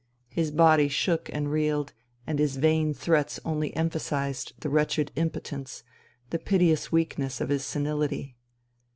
His body shook and reeled, and his vain threats only empha sized the wretched impotence, the piteous weakness of his seniUty.